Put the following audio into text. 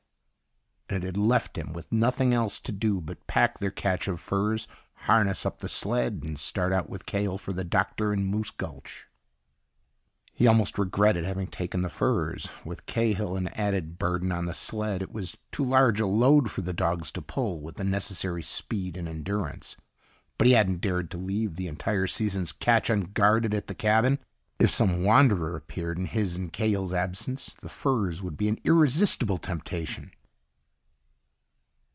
And it had left him with nothing else to do but pack their catch of furs, harness up the sled, and start out with Cahill for the doctor in Moose Gulch. He almost regretted having taken the furs. With Cahill an added burden on the sled, it was too large a load for the dogs to pull with the necessary speed and endurance. But he hadn't dared to leave the entire season's catch unguarded at the cabin. If some wanderer appeared in his and Cahill's absence, the furs would be an irresistible temptation.